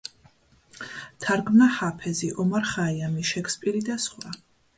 თარგმნა ჰაფეზი, ომარ ხაიამი, შექსპირი და სხვა.